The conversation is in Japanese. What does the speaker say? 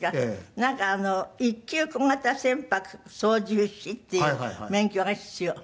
なんか一級小型船舶操縦士っていう免許が必要。